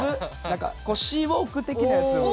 何かシーウォーク的なやつを。